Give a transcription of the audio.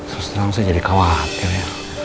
terus terang saya jadi khawatir ya